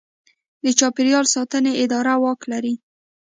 د چاپیریال ساتنې اداره واک لري؟